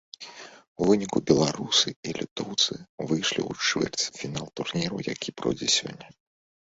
У выніку, беларусы і літоўцы выйшлі ў чвэрцьфінал турніра, які пройдзе сёння.